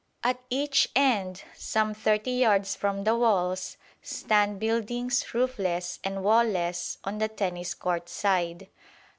At each end, some 30 yards from the walls, stand buildings roofless and wall less on the Tennis Court side.